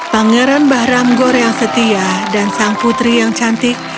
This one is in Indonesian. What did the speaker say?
pangeran bahram gor yang setia dan sang putri yang cantik